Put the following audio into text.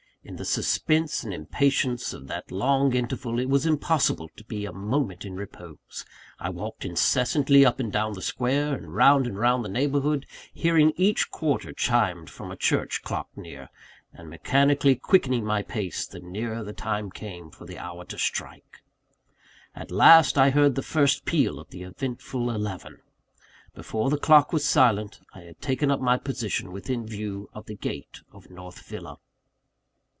In the suspense and impatience of that long interval, it was impossible to be a moment in repose. I walked incessantly up and down the square, and round and round the neighbourhood, hearing each quarter chimed from a church clock near, and mechanically quickening my pace the nearer the time came for the hour to strike. At last, I heard the first peal of the eventful eleven. Before the clock was silent, I had taken up my position within view of the gate of North Villa.